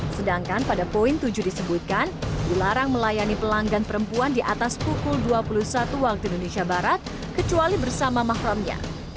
sedangkan pada poin tujuh disebutkan dilarang melayani pelanggan perempuan di atas pukul dua puluh satu waktu indonesia barat kecuali bersama mahramnya